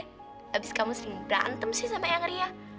habis kamu sering berantem sih sama yang ria